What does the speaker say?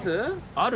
ある？